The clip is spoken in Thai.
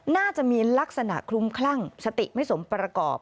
น่าจะมีลักษณะคลุมคลั่งสติไม่สมประกอบ